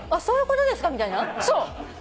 そういうことですかみたいな？